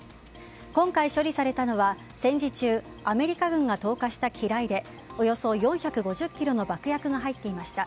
今回処理されたのは、戦時中アメリカ軍が投下した機雷でおよそ４５０ｋｇの爆薬が入っていました。